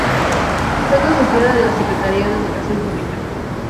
Fue consejero de la Secretaría de Educación Pública.